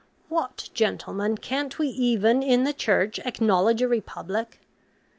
What, gentlemen, can't we even in the Church acknowledge a republic?